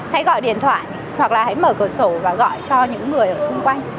hãy gọi điện thoại hoặc là hãy mở cửa sổ và gọi cho những người ở xung quanh